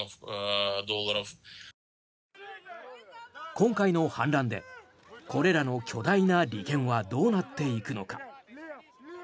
今回の反乱でこれらの巨大な利権はどうなっていくのか。